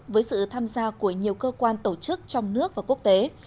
với sự tham gia của nhiều cơ quan tổ chức trong nước và quốc tế